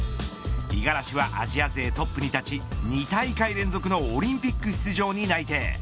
五十嵐はアジア勢トップに立ち２大会連続のオリンピック出場に内定。